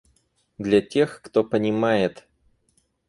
Для тех, кто понимает.